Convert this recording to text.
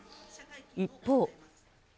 一方。